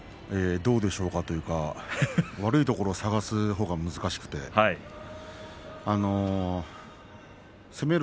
どうでしょうか、というか悪いところを探すほうが難しくて攻める